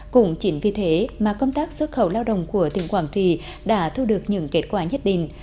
cũng chỉ vì thế mà công tác xuất khẩu lao động của tỉnh quảng trì đã thu được những kết quả nhất định